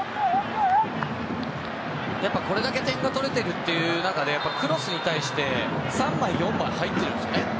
これだけ点が取れているという中でクロスに対して３枚、４枚入ってるんですよね。